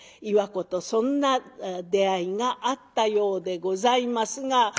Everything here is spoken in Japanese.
岩子とそんな出会いがあったようでございますが。